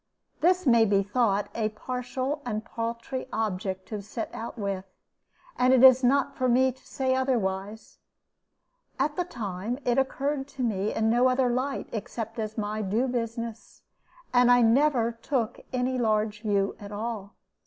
This may be thought a partial and paltry object to set out with; and it is not for me to say otherwise. At the time, it occurred to me in no other light except as my due business, and I never took any large view at all.